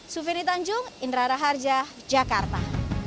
sufini tanjung indra raharja jakarta